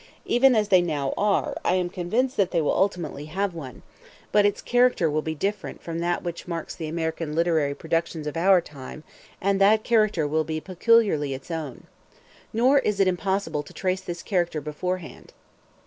Even as they now are, I am convinced that they will ultimately have one; but its character will be different from that which marks the American literary productions of our time, and that character will be peculiarly its own. Nor is it impossible to trace this character beforehand.